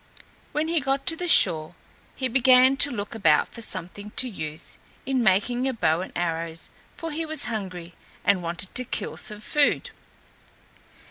When he got to the shore he began to look about for something to use in making a bow and arrows, for he was hungry and wanted to kill some food.